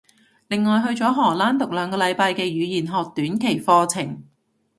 另外去咗荷蘭讀兩個禮拜嘅語言學短期課程